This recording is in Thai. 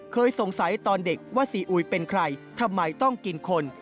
เคยสงสัยตอนเด็กว่าซีอุยเป็นใครทำไมต้องกินคน